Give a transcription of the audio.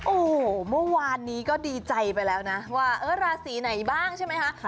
โอ้โหเมื่อวานนี้ก็ดีใจไปแล้วนะว่าเออราศีไหนบ้างใช่ไหมคะ